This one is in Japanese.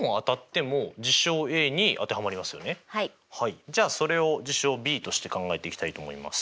はいじゃあそれを事象Ｂとして考えていきたいと思います。